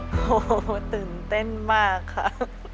โอ้ตื่นเต้นมากครับ